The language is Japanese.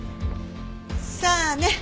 さあね。